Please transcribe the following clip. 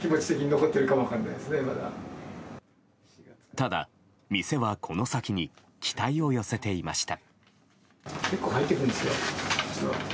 ただ、店はこの先に期待を寄せていました。